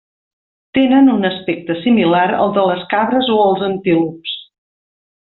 Tenen un aspecte similar al de les cabres o els antílops.